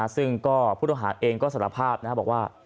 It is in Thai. ซึ่งผู้โทษภาพเองก็สารภาพบอกว่า